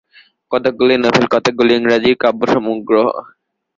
কতকগুলি নভেল, কতকগুলি ইংরাজি কাব্যসংগ্রহ।